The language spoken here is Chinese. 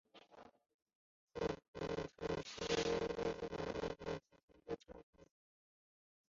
丰川稻荷是位在日本爱知县丰川市的曹洞宗寺院。